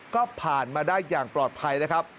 ก็ผ่านมาได้อย่างปลอดภัยนะครับ